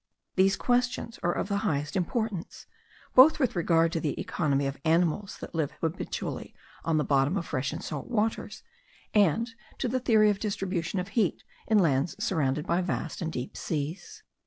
These questions are of the highest importance, both with regard to the economy of animals that live habitually at the bottom of fresh and salt waters, and to the theory of the distribution of heat in lands surrounded by vast and deep seas.